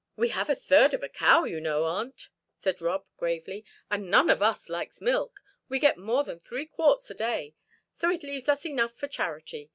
"We have a third of a cow, you know, aunt," said Rob, gravely, "and none of us likes milk. We get more than three quarts a day, so it leaves us enough for charity.